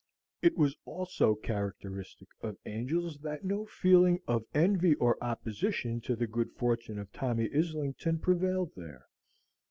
It was also characteristic of Angel's that no feeling of envy or opposition to the good fortune of Tommy Islington prevailed there.